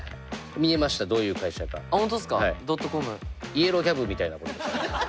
イエローキャブみたいなことです。